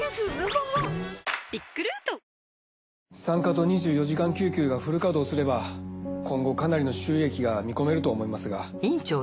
産科と２４時間救急がフル稼動すれば今後かなりの収益が見込めると思いますが。